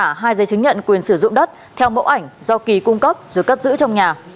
giả hai giấy chứng nhận quyền sử dụng đất theo mẫu ảnh do kỳ cung cấp rồi cất giữ trong nhà